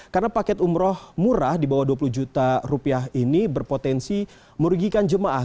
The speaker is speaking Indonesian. karena paket umroh murah di bawah dua puluh juta rupiah ini berpotensi merugikan jemaah